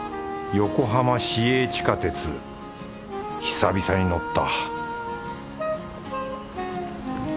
横浜市営地下鉄久々に乗った